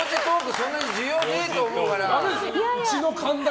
そんなに需要ねえと思うから。